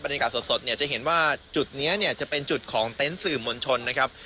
การสดเนี่ยจะเห็นว่าจุดนี้เนี่ยจะเป็นจุดของเต็นต์สื่อมวลชนนะครับ